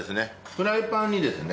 フライパンにですね